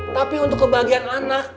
tapi untuk kebahagiaan anak